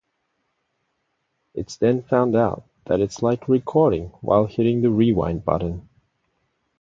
It's then found out that it's like recording while hitting the rewind button.